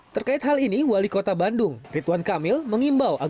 terkait hal ini wali kota bandung ridwan kamil mengimbau